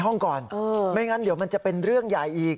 ห้องก่อนไม่งั้นเดี๋ยวมันจะเป็นเรื่องใหญ่อีก